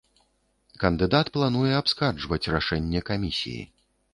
Кандыдат плануе абскарджваць рашэнне камісіі.